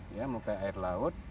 ya muka air laut